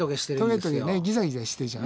トゲトゲねギザギザしてるじゃない？